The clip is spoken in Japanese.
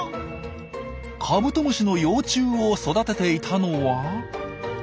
カブトムシの幼虫を育てていたのは。